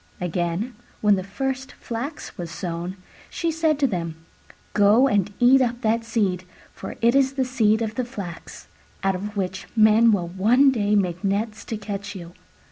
Again, when the first flax was sown, she said to them, "Go and eat up that seed, for it is the seed of the flax, out of which men will one day make nets to catch you."